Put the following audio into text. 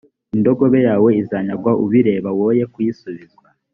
indogobe yawe izanyagwa ubireba, woye kuyisubizwa;